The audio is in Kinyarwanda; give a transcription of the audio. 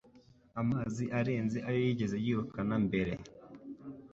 amazi arenze ayo yigeze yirukana mbere